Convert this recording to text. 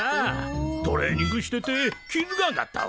トレーニングしてて気付がんがったわ。